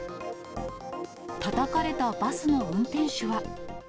たたかれたバスの運転手は。